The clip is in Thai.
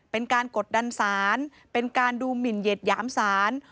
เป็นการกดดันสารเป็นการดูหมิ่นเหยียดหยามสาร